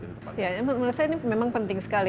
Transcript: ya menurut saya ini memang penting sekali